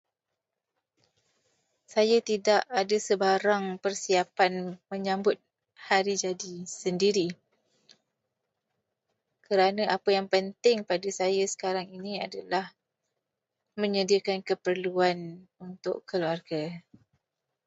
Saya tidak ada sebarang persiapan menyambut hari jadi sendiri, kerana apa yang penting pada saya sekarang ini adalah menyediakan keperluan untuk keluarga.